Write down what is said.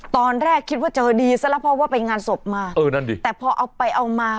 ตอนแรกคิดว่าเจอดีซะแล้วเพราะว่าไปงานศพมาเออนั่นดิแต่พอเอาไปเอามา